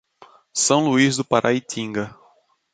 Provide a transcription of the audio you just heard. São Luiz do Paraitinga